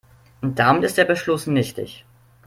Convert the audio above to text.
Damit ist der Beschluss nichtig.